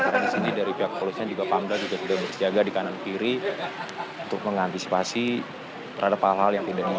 karena di sini dari pihak polusnya juga pamda sudah berjaga di kanan kiri untuk mengantisipasi terhadap hal hal yang tidak diinginkan